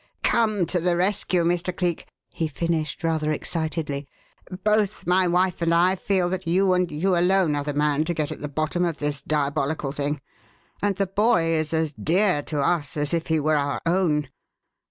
"Come to the rescue, Mr. Cleek," he finished, rather excitedly. "Both my wife and I feel that you and you alone are the man to get at the bottom of this diabolical thing; and the boy is as dear to us as if he were our own.